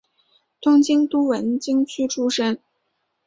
东京都文京区出身。